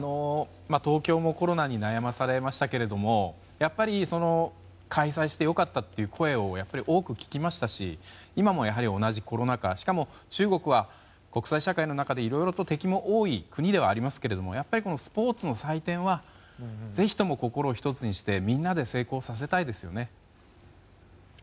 東京もコロナに悩まされましたけどやっぱり開催して良かったっていう声を多く聞きましたし今も同じコロナ禍しかも、中国は国際社会の中でいろいろと敵も多い国ではありますけれどもスポーツの祭典はぜひとも心を１つにしてみんなで成功させたいですよね。